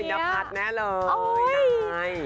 ดับพัดแน่เลย